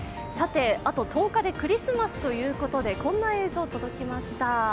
あと１０日でクリスマスということで、こんな映像届きました。